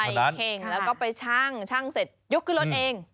เข่งแล้วก็ไปชั่งชั่งเสร็จยกขึ้นรถเอง